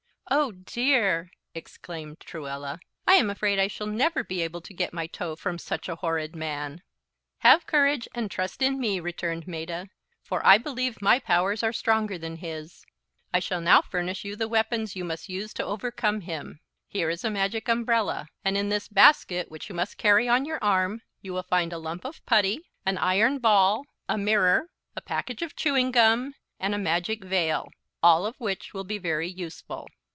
"Oh, dear!" exclaimed Truella, "I am afraid I shall never be able to get my toe from such a horrid man." "Have courage, and trust in me," returned Maetta, "for I believe my powers are stronger than his. I shall now furnish you the weapons you must use to overcome him. Here is a magic umbrella, and in this basket which you must carry on your arm, you will find a lump of putty, an iron ball, a mirror, a package of chewing gum and a magic veil, all of which will be very useful.